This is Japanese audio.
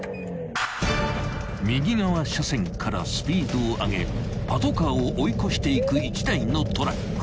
［右側車線からスピードを上げパトカーを追い越していく１台のトラック］